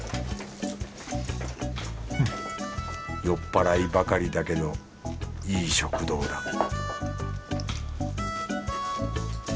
酔っ払いばかりだけどいい食堂だ